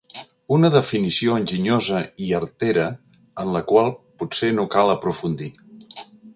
Una definició enginyosa i artera en la qual potser no cal aprofundir.